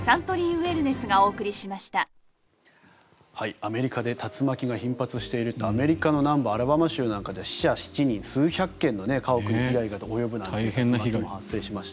アメリカで竜巻が頻発していてアメリカの南部アラバマ州なんかで、死者７人数百軒の家屋に被害が及ぶということも発生しました。